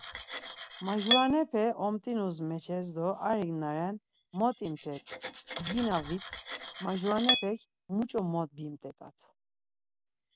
Majuranepe omt̆inus meçes do arik naren, Mot imt̆et, cgina vit, majuranepek, Muç̌o mot bimt̆et̆at.